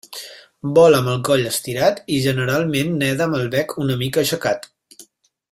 Vola amb el coll estirat i generalment neda amb el bec una mica aixecat.